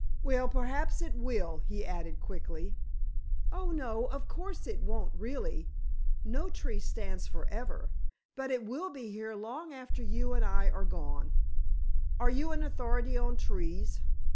"Well, perhaps it will," he added quickly. "Oh, no, of course it won't really! No tree stands forever. But it will be here long after you and I are gone." "Are you an authority on trees?"